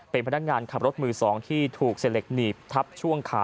เป็นพนักงานขับรถมือ๒ที่ถูกเสล็กหนีบทับช่วงขา